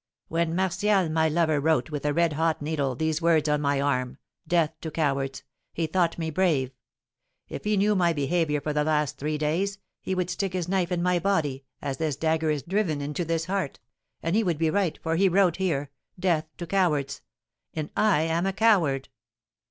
"When Martial, my lover, wrote, with a red hot needle, these words on my arm, 'Death to Cowards!' he thought me brave; if he knew my behaviour for the last three days, he would stick his knife in my body, as this dagger is driven into this heart, and he would be right, for he wrote here, 'Death to Cowards!' and I am a coward."